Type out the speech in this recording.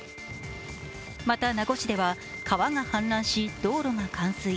また名護市では川が氾濫し道路が冠水。